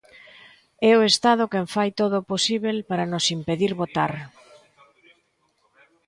É o Estado quen fai todo o posíbel para nos impedir votar.